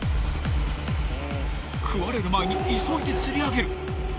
［食われる前に急いで釣り上げる］